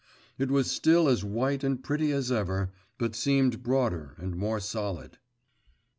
It was still as white and pretty as ever, but seemed broader and more solid.